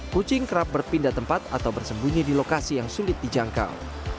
kucing kerap berpindah tempat atau bersembunyi di lokasi yang sulit dijangkau